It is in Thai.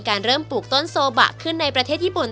ครับต้องมีครับ